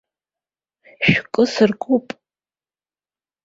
Шәкы сыркуп.